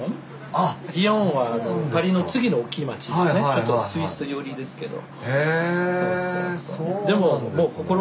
ちょっとスイス寄りですけど。